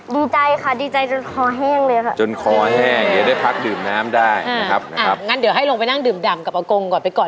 ร้องได้ในยกที่๔แบบนี้นะฮะสะสมเงินทุนร่วมกันค่ะ